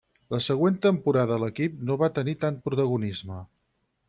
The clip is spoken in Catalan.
La següent temporada a l'equip no va tenir tant protagonisme.